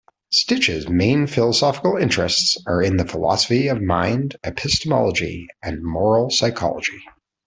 Stich's main philosophical interests are in the philosophy of mind, epistemology, and moral psychology.